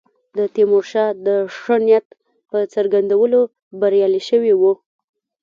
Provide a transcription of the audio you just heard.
د تیمورشاه د ښه نیت په څرګندولو بریالي شوي وو.